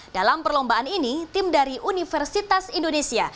dalam perlombaan ini tim dari universitas indonesia